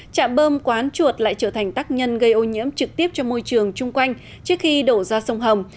chạm bơm quán chuột lại trở thành tắc nhân gây ô nhiễm trực tiếp cho môi trường chung quanh trước khi đổ ra sông hồng